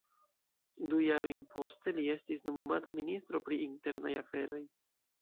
Du jarojn poste li estis nomumata Ministro pri Internaj Aferoj.